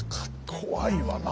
怖いわな。